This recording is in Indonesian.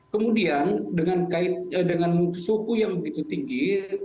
kemudian dengan kait dengan suhu yang begitu tinggi